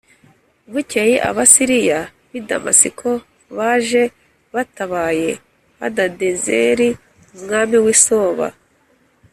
Bukeye Abasiriya b’i Damasiko baje batabaye Hadadezeri umwami w’i Soba